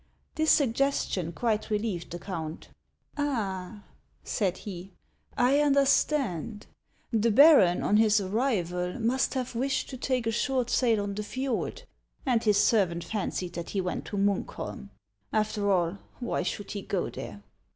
This suggestion quite relieved the count. " Ah !" said he, " 1 understand. The baron, on his ar rival, must have wished to take a short sail on the fjord, and his servant fancied that he went to Munkholm. After all, why should he go there